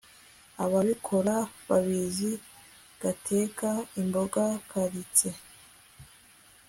akabikora kabizi gateka imboga karitse